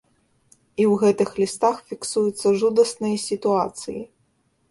І ў гэтых лістах фіксуюцца жудасныя сітуацыі.